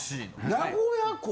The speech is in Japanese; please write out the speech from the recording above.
名古屋校？